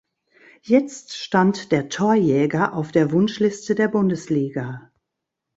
Jetzt stand der „Torjäger“ auf der Wunschliste der Bundesliga.